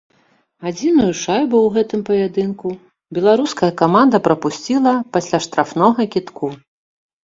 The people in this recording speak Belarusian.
Адзіную шайбу ў гэтым паядынку беларуская каманда прапусціла пасля штрафнога кідку.